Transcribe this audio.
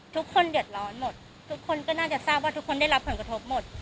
ทุกคนเดือดร้อนหมดทุกคนก็น่าจะทราบว่าทุกคนได้รับผลกระทบหมด